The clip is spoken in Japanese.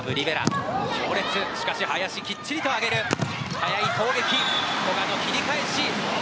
速い攻撃、古賀の切り返し。